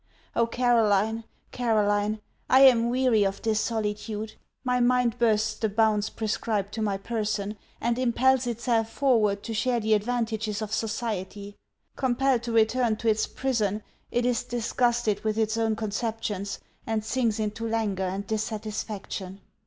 Oh Caroline, Caroline! I am weary of this solitude. My mind bursts the bounds prescribed to my person, and impels itself forward to share the advantages of society. Compelled to return to its prison, it is disgusted with its own conceptions, and sinks into languor and dissatisfaction.